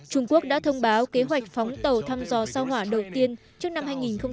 trung quốc đã thông báo kế hoạch phóng tàu thăm dò sao hỏa đầu tiên trước năm hai nghìn hai mươi